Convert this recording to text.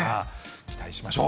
期待しましょう。